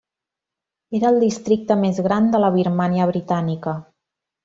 Era el districte més gran de la Birmània britànica.